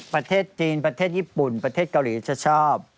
ประเทศจีนประเทศญี่ปุ่นประเทศเกาหลีจะชอบ